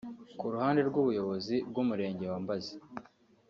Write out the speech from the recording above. Ku ruhande rw’ ubuyobozi bw’ umurenge wa Mbazi